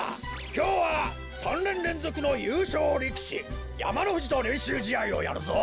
きょうは３ねんれんぞくのゆうしょうりきしやまのふじとれんしゅうじあいをやるぞ。